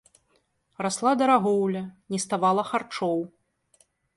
Расла дарагоўля, не ставала харчоў.